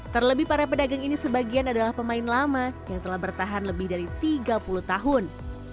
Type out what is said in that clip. terlebih para pedagang ini sebagian adalah pemain lama yang telah bertahan lebih dari tiga puluh tahun